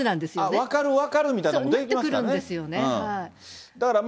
分かる、分かるみたいなのが出てきますからね。